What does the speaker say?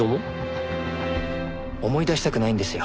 思い出したくないんですよ